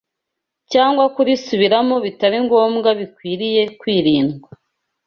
cyangwa kurisubiramo bitari ngombwa bikwiriye kwirindwa